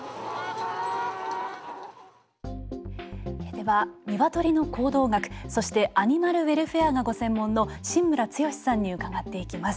では鶏の行動学そしてアニマルウェルフェアがご専門の新村毅さんに伺っていきます。